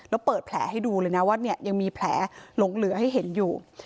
แล้วเปิดแผลให้ดูเลยนะว่าเนี่ยยังมีแผลหลงเหลือให้เห็นอยู่